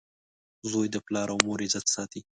• زوی د پلار او مور عزت ساتي.